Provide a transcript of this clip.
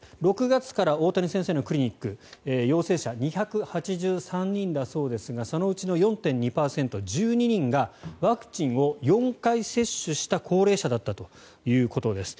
６月から大谷先生のクリニック陽性者２８３人だそうですがそのうちの４．２％１２人がワクチンを４回接種した高齢者だったということです。